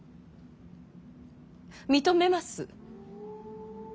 認めます。